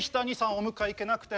お迎え行けなくて。